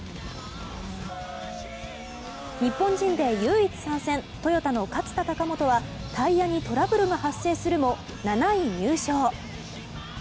日本人で唯一参戦トヨタの勝田貴元はタイヤにトラブルが発生するも７位入賞。